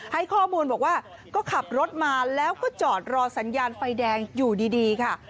ให้ข้อมูลบอกว่าก็ขับรถมาแล้วก็จอดรอสัญญาณไฟแดงอยู่ดีค่ะ